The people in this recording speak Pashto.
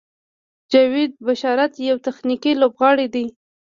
جاوید بشارت یو تخنیکي لوبغاړی دی.